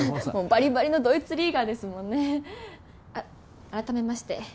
バリバリのドイツリーガーですもんねあっ改めまして